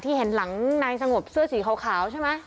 เห็นหลังนายสงบเสื้อสีขาวใช่ไหม